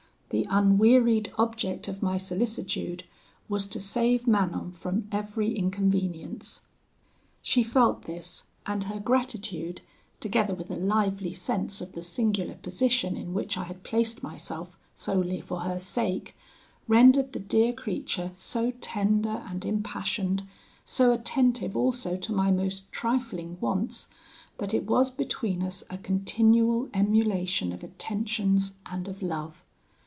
The unwearied object of my solicitude was to save Manon from every inconvenience. She felt this, and her gratitude, together with a lively sense of the singular position in which I had placed myself solely for her sake, rendered the dear creature so tender and impassioned, so attentive also to my most trifling wants, that it was between us a continual emulation of attentions and of love.